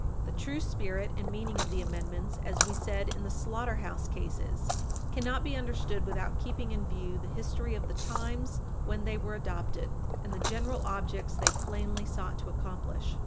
The true spirit and meaning of the amendments, as we said in the Slaughterhouse Cases, 16 Wall. 36, cannot be understood without keeping in view the history of the times when they were adopted and the general objects they plainly sought to accomplish.